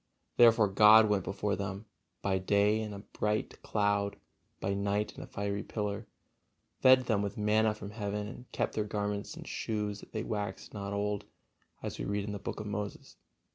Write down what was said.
Therefore God went before them, by day in a bright: cloud, by night in a fiery pillar, fed them with manna from heaven, and kept their garments and shoes that they waxed not old, as we read in the Books of Moses.